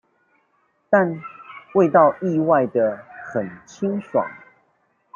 但味道意外地很清爽